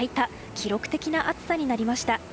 記録的な暑さになりました。